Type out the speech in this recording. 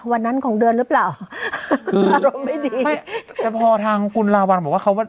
วันนั้นของเดือนหรือเปล่าคืออารมณ์ไม่ดีแต่พอทางคุณลาวัลบอกว่าเขาว่า